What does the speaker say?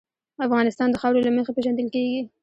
افغانستان د خاوره له مخې پېژندل کېږي.